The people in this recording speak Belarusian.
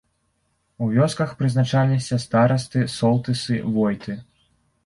У вёсках прызначаліся старасты, солтысы, войты.